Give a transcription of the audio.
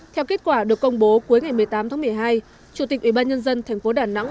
theo kết quả được công bố cuối ngày một mươi tám tháng một mươi hai chủ tịch ủy ban nhân dân thành phố đà nẵng